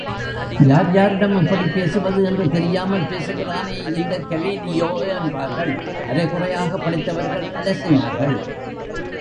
யார், யாரிடம் இப்படிப் பேசுவது என்றுதெரியாமல் பேசுகிறானே இந்தக் கலீலியோ என்றார்கள் அரைகுறையாக படித்தவர்கள் அலசினார்கள்!